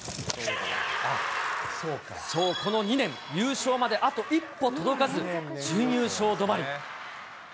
そう、この２年、優勝まであと一歩届かず、準優勝止まり。